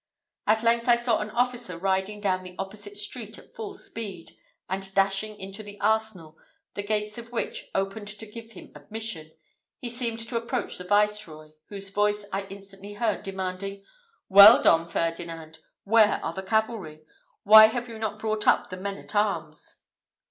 At length I saw an officer riding down the opposite street at full speed, and dashing into the arsenal, the gates of which opened to give him admission, he seemed to approach the viceroy, whose voice I instantly heard, demanding, "Well, Don Ferdinand, where are the cavalry? Why have you not brought up the men at arms?"